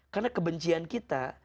karena kebencian kita